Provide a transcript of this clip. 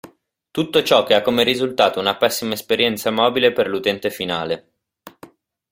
Tutto ciò ha come risultato una pessima esperienza mobile per l'utente finale.